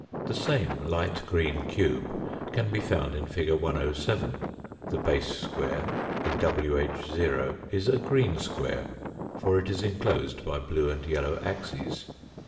The same light green cube can be found in fig. 107. The base square in wh is a green square, for it is enclosed by blue and yellow axes.